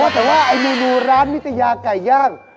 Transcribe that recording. แต่ว่าเหมือนร้านมิตยาไก่ย่าง